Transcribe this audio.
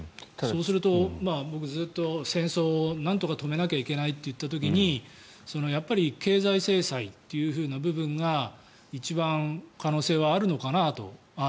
そうすると僕はずっと戦争をなんとか止めなきゃいけないといった時にやっぱり経済制裁というふうな部分が一番可能性はあるのかなと。